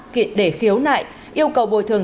kịp để khiếu nại yêu cầu bồi thường